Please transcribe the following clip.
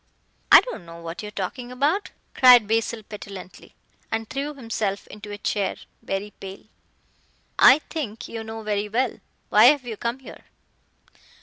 "I don't know what you are talking about," cried Basil petulantly, and threw himself into a chair, very pale. "I think you know very well. Why have you come here?"